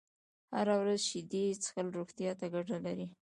هره ورځ شيدې څښل روغتيا ته گټه لري